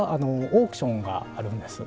オークションがあるんですね。